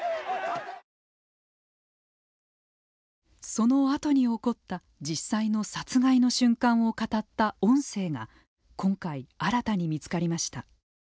そのあとに起こった実際の殺害の瞬間を語った音声が今回、新たに見つかりました。